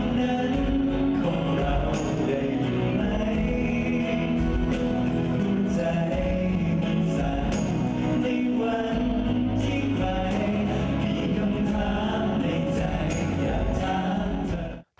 รอบหัวใจสั่งในวันที่ใครมีคำถามในใจอยากถามเธอ